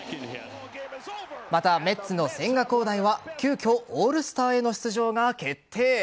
また、メッツの千賀滉大は急きょオールスターへの出場が決定。